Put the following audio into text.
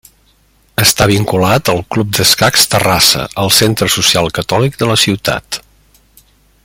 Està vinculat al Club d'Escacs Terrassa, al Centre Social Catòlic de la ciutat.